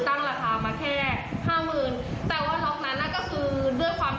ตั้งราคามาแค่๕๐๐๐๐บาท